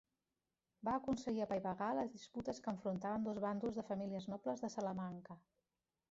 Va aconseguir apaivagar les disputes que enfrontaven dos bàndols de famílies nobles de Salamanca.